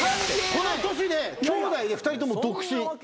この年で兄弟で２人とも独身。